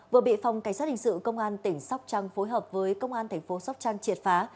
vừa bị phòng cảnh sát hình sự công an tỉnh sóc trăng phối hợp với công an thành phố sóc trăng triệt phá